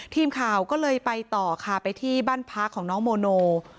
ทีมข่าวก็เลยไปต่อค่ะไปที่บ้านพักของน้องโมโน